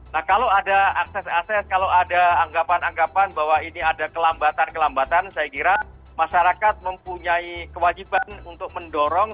nah kalau ada akses akses kalau ada anggapan anggapan bahwa ini ada kelambatan kelambatan saya kira masyarakat mempunyai kewajiban untuk mendorong